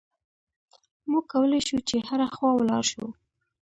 موږ کولای شو چې هره خوا ولاړ شو.